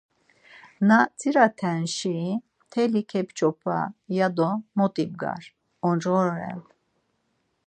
Na dziraten şei mteli kep̌ç̌opa ya do mot ibgar, oncğore ren.